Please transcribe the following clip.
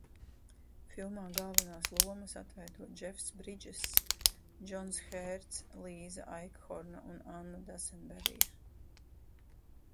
Filmā galvenās lomas atveido Džefs Bridžess, Džons Hērds, Līza Aikhorna un Anna Dasenberija.